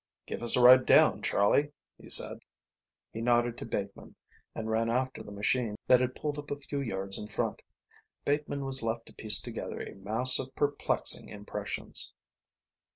"Give us a ride down, Charlie," he said. He nodded to Bateman, and ran after the machine that had pulled up a few yards in front. Bateman was left to piece together a mass of perplexing impressions.